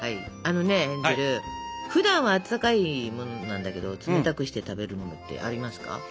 あのねヘンゼルふだんは温かいものなんだけど冷たくして食べるものってありますか？